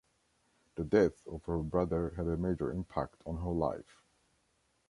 The death of her brother had a major impact on her life.